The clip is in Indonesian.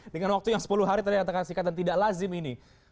dengan waktu yang sepuluh hari tadi ada yang kasih kata tidak lazim ini